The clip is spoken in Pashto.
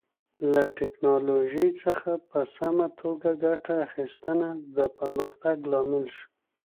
له ټکنالوژۍ څخه په سمه توګه ګټه اخیستنه د پرمختګ لامل شو.